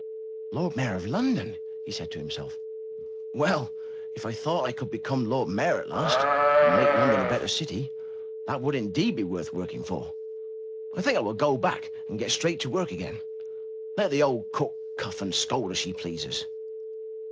'' "Lord Mayor of London!" he said to himself. 335 M Y BOOK HOUSE 'Well, if I thought I could be come Lord Mayor at last, and make London a better city, that would be worth working for ! I think I will go back and get straight to work again ! Let the old cook cuff and scold as she pleases!'